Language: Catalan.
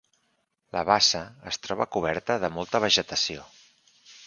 La bassa es troba coberta de molta vegetació.